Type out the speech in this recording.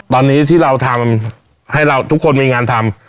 ตอนนี้ที่เราทำให้เราทุกคนมีงานทำ